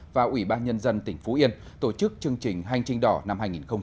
và ủy ban nhân dân tỉnh phú yên tổ chức chương trình hành trình đỏ năm hai nghìn hai mươi